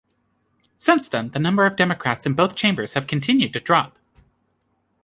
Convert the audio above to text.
Since then, the number of Democrats in both chambers have continued to drop.